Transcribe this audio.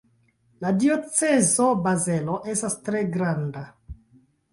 La diocezo Bazelo estas tre granda.